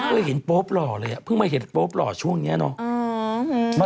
เคยเห็นโป๊ปหล่อเลยเพิ่งมาเห็นโป๊ปหล่อช่วงนี้เนาะ